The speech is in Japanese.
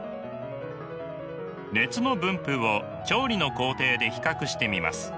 熱の分布を調理の工程で比較してみます。